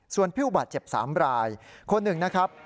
ส่วนผู้บาดเจ็บ๓รายคนหนึ่งนะครับ